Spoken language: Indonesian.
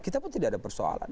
kita pun tidak ada persoalan